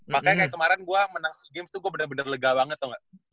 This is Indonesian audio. makanya kayak kemarin gue menang sea games tuh gue bener bener lega banget atau enggak